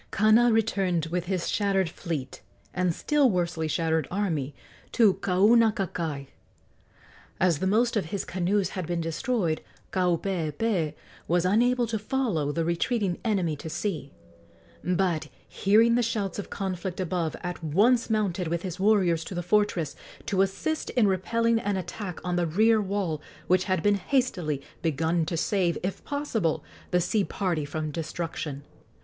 Kana returned with his shattered fleet and still worsely shattered army to Kaunakakai. As the most of his canoes had been destroyed, Kaupeepee was unable to follow the retreating enemy to sea, but, hearing the shouts of conflict above, at once mounted with his warriors to the fortress, to assist in repelling an attack on the rear wall which had been hastily begun to save, if possible, the sea party from destruction.